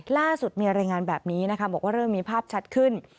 ล่าสุดมีรายงานแบบนี้นะคะบอกว่าเริ่มมีภาพชัดขึ้น